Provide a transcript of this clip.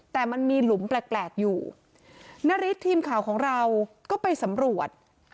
แต่มันมีหลุมแปลกอยู่นาริสทีมข่าวของเราก็ไปสำรวจ